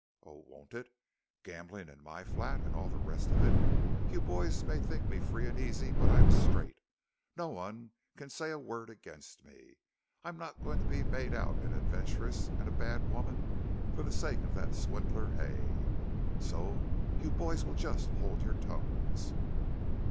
"Oh, won't it? Gambling in my flat, and all the rest of it. You boys may think me free and easy but I'm straight. No one can say a word against me. I'm not going to be made out an adventuress and a bad woman for the sake of that swindler, Hay. So you boys will just hold your tongues."